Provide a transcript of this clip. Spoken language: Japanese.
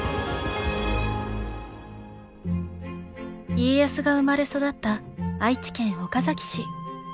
家康が生まれ育った愛知県岡崎市。